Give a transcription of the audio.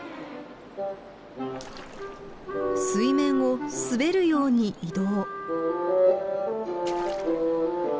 水面を滑るように移動。